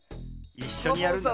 いっしょにやるんだな。